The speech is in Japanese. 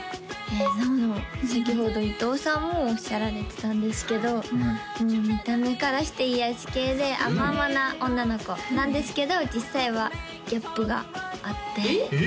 なおなお先ほど伊藤さんもおっしゃられてたんですけど見た目からして癒やし系で甘々な女の子なんですけど実際はギャップがあってえっ？